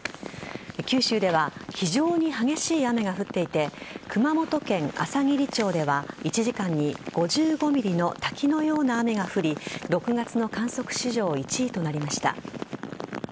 九州では非常に激しい雨が降っていて熊本県あさぎり町では１時間に５５ｍｍの滝のような雨が降り６月の観測史上１位となりました。